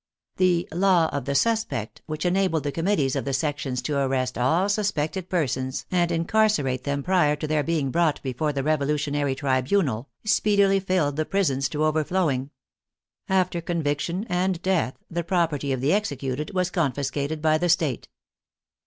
The " law of the suspect," which enabled the committees of the sections to arrest all suspected persons and incarcerate them prior to their being brought before the revolutionary tribunal, speedily filled the prisons to overflowing. After conviction and death the property of the executed was confiscated by the State.